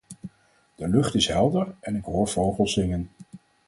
De lucht is helder, en ik hoor vogels zingen.